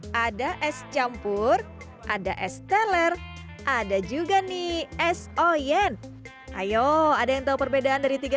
hai ada es campur ada es teller ada juga nih es oyen ayo ada yang tahu perbedaan dari tiga